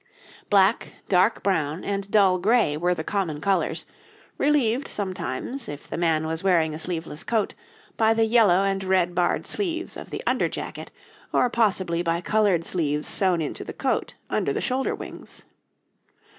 Black, dark brown, and dull gray were the common colours, relieved sometimes, if the man was wearing a sleeveless coat, by the yellow and red barred sleeves of the under jacket, or possibly by coloured sleeves sewn into the coat under the shoulder wings.